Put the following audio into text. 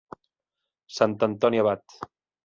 Sant Antoni Abat.